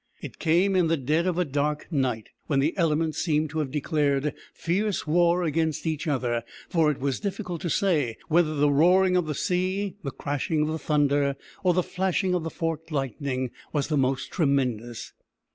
It came in the dead of a dark night, when the elements seemed to have declared fierce war against each other, for it was difficult to say whether the roaring of the sea, the crashing of the thunder, or the flashing of the forked lightning was most tremendous.